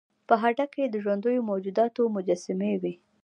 په هډه کې د ژوندیو موجوداتو مجسمې وې